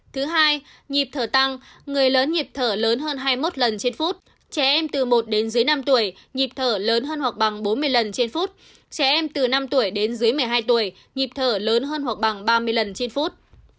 thứ hai nhịp thở tăng người lớn nhịp thở lớn hơn hai mươi một lần trên phút trẻ em từ một đến dưới năm tuổi nhịp thở lớn hơn hoặc bằng bốn mươi lần trên phút trẻ em từ năm tuổi đến dưới một mươi hai tuổi nhịp thở lớn hơn hoặc bằng ba mươi lần trên phút